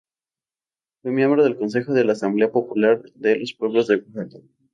Fue miembro del Consejo de la Asamblea Popular de los Pueblos de Oaxaca.